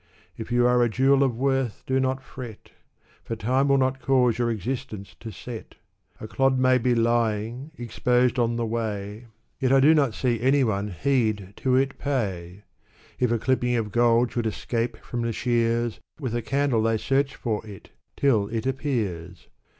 If you are a jewel of worth, do not fret ! For time will not cause your existence to set. A clod may be lying exposed on the way ; Digitized by Google! i ]^3'<^^^<y^^<7^i2P<\<':'> Bustan. 327 Yet I do not see any one heed to it pay. If a clipping of gold should escape from the shears, With a candle they search for it, till it appears.